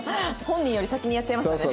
本人より先にやっちゃいましたね。